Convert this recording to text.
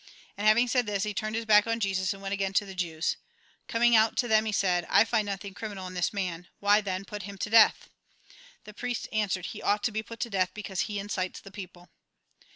And having said this, he turned his back on Jesus, and went again to the Jews. Coining out to them, he said :" I find nothing criminal in this man. Why, then, put him to death ?" The priests answered :" He ought to be put to death, because he incites the people."